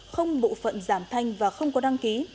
không bộ phận giảm thanh và không có đăng ký